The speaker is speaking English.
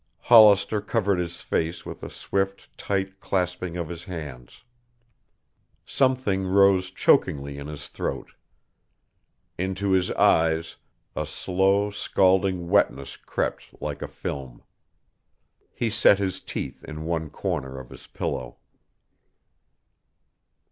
Hollister covered his face with a swift, tight clasping of his hands. Something rose chokingly in his throat. Into his eyes a slow, scalding wetness crept like a film. He set his teeth in one corner of his pillow.